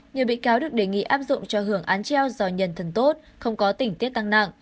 nhiều bị cáo được đề nghị áp dụng cho hưởng án treo do nhân thần tốt không có tỉnh tiết tăng nặng